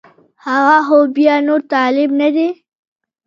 هغه خو بیا نور طالب نه دی